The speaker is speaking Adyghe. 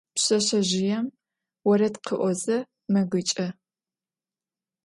Pşseşsezjıêm vored khı'oze megıç'e.